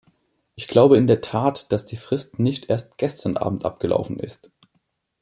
Ich glaube in der Tat, dass die Frist nicht erst gestern abend abgelaufen ist.